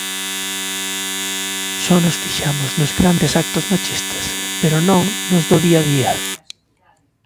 Só nos fixamos nos grandes actos machistas, pero non nos do día a día.